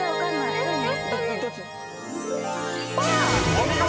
［お見事！